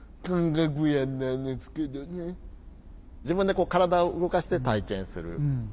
自分で体を動かして体験する。